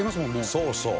そうそう。